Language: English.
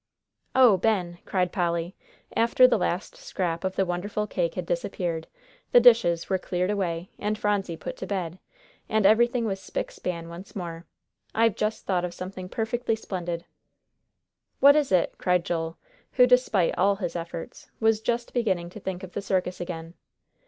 "Oh, Ben," cried Polly, after the last scrap of the wonderful cake had disappeared, the dishes were cleared away, and Phronsie put to bed, and everything was spick span once more, "I've just thought of something perfectly splendid!" "What is it?" cried Joel, who, despite all his efforts, was just beginning to think of the circus again.